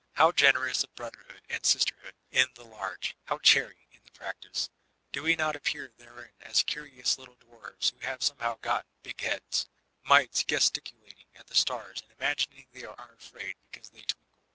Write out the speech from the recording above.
How generous of brotheriiood— and sisterhood — ^m the large; how chary in the practice 1 Do we not appear therein as curious little dwarfs who have somehow gotten ''big heads*'? Mites gesticulating at the stars and imagining they are afraid because they twinkle.